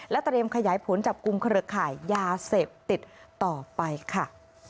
เตรียมขยายผลจับกลุ่มเครือข่ายยาเสพติดต่อไปค่ะ